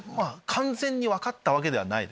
完全に分かったわけではないです。